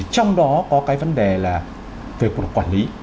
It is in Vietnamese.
trong đó có cái vấn đề là về quản lý